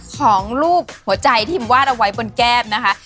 ของลูกหัวใจทิมวาดเอาไว้บนแก้มนะคะ